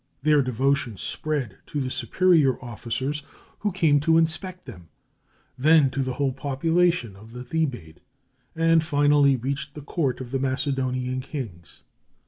Their devotion spread to the superior officers who came to inspect them, then to the whole population of the Thebaid, and finally reached the court of the Macedonian kings.